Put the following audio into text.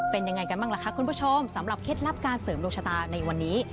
เป็นยังไงกันบ้างล่ะคะคุณผู้ชมสำหรับเคล็ดลับการเสริมดวงชะตาในวันนี้